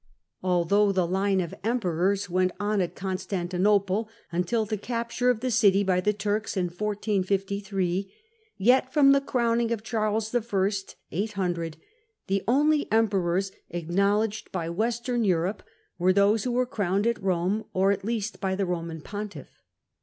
Although the line of emperors went on at Constantinople until the capture of the city by the Turks in 1453, yet from the crowning of Charles I., 800, the only emperors acknowledged by Western Europe were those who were qfowned at Rome, or at least by the Roman pontiflf.